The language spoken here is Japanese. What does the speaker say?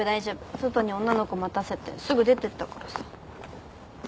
外に女の子待たせてすぐ出てったからさ。